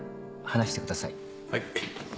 はい。